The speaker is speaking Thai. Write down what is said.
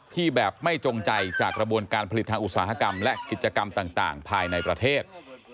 ที่แบบไม่จงใจจากกระบวนการผลิตทางอุตสาหกรรมและกิจกรรมต่างภายในประเทศ